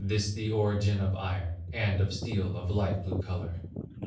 This, the origin of iron, And of steel of light blue color."